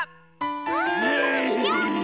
わあやった！